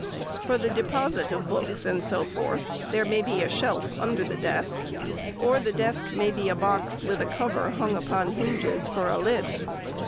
For the deposit of books, and so forth, there may be a shelf under the desk, or the desk may be a box, with a cover, hung upon hinges for a lid.